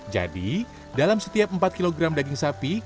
jadi dalam setiap empat kg daging sapi